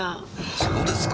そうですか。